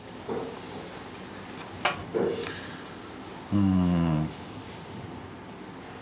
うん。